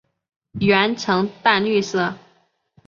喙呈淡绿色。